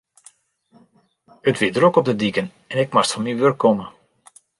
It wie drok op de diken en ik moast fan myn wurk komme.